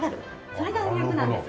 それが魅力なんです。